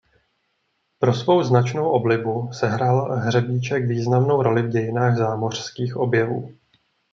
Pro svou značnou oblibu sehrál hřebíček významnou roli v dějinách zámořských objevů.